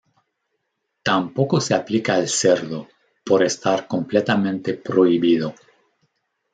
Tampoco se aplica al cerdo, por estar completamente prohibido.